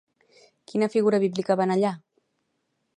Quina figura bíblica va anar allà?